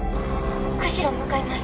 釧路向かいます。